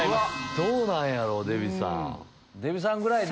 どうなんやろデヴィさん。